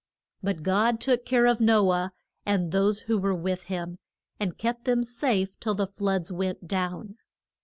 But God took care of No ah, and those who were with him, and kept them safe till the floods went down.